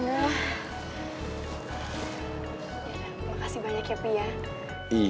makasih banyak ya pi ya